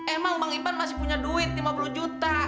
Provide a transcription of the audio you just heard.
emang bang ivan masih punya duit lima puluh juta